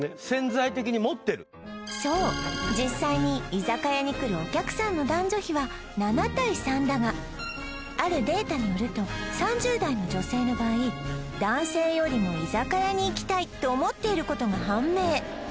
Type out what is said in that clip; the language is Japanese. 潜在的に持ってるそう実際に居酒屋に来るお客さんの男女比は７対３だがあるデータによると３０代の女性の場合男性よりも居酒屋に行きたいと思っていることが判明